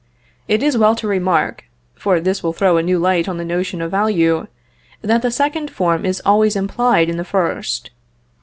It is well to remark (for this will throw a new light on the notion of value), that the second form is always implied in the first.